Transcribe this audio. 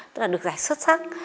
tức là được giải xuất sắc